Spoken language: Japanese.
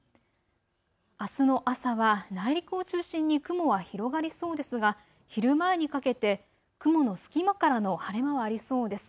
あすの朝は内陸を中心に雲は広がりそうですが昼前にかけて雲の隙間からの晴れ間はありそうです。